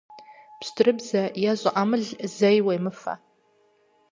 Пщтырыбзэ е щӀыӀэмыл зэи уемыфэ.